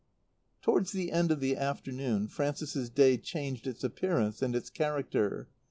Towards the end of the afternoon Frances's Day changed its appearance and its character.